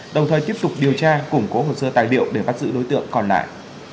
đồng thời tiếp tục điều tra củng cố hồ sơ tài liệu để bắt giữ đối tượng còn lại